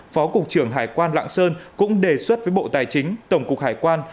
phó cục trưởng hải quan lạng sơn cũng đề xuất với bộ tài chính tổng cục hải quan